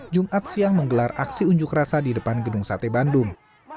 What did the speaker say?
jumat siang menggelar aksi unjuk rasa di depan gedung sate bandung